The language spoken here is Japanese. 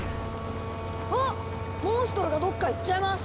あっモンストロがどっか行っちゃいます！